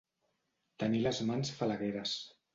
Tenir les mans falagueres.